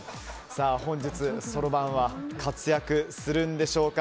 本日そろばんは活躍するんでしょうか。